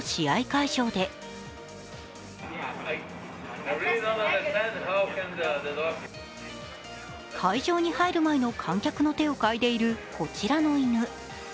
会場に入る前の観客の手をかいでいるこちらの犬。